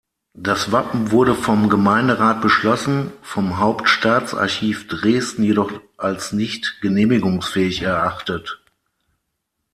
Das Wappen wurde vom Gemeinderat beschlossen, vom Hauptstaatsarchiv Dresden jedoch als nicht genehmigungsfähig erachtet.